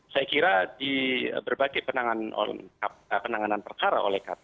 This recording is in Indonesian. saya kira di berbagai penanganan perkara oleh kpk sejauh ini terkait dengan intervensi intervensi semacam itu